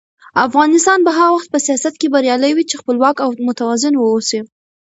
افغانستان به هغه وخت په سیاست کې بریالی وي چې خپلواک او متوازن واوسي.